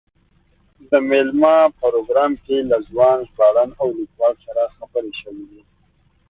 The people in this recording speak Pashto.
د مېلمه پروګرام کې له ځوان ژباړن او لیکوال سره خبرې شوې دي.